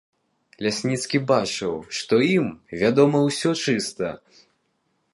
Лясніцкі бачыў, што ім вядома ўсё чыста.